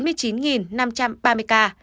tây ninh tám mươi sáu năm trăm năm mươi ba ca